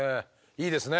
いいですね。